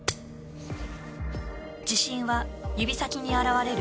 自信は指先に表れる。